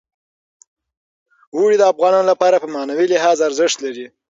اوړي د افغانانو لپاره په معنوي لحاظ ارزښت لري.